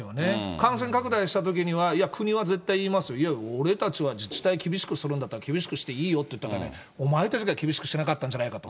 感染拡大したときには、いや、国は絶対に言いますよ、いや、俺たちは自治体厳しくするんだったら、厳しくしていいよって言ったり、お前たちが厳しくしなかったんじゃないかと。